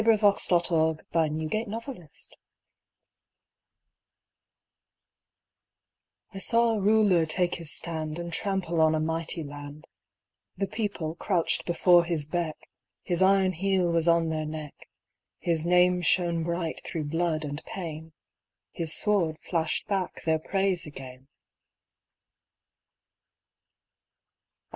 VERSE: THE THREE RULERS I saw a Ruler take his stand And trample on a mighty land; The People crouched before his beck, His iron heel was on their neck, His name shone bright through blood and pain, His sword flashed back their praise again.